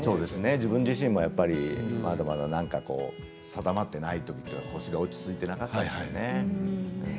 自分自身も定まっていないというか落ち着いていなかったですね。